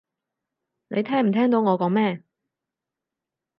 你聽唔聽到我講咩？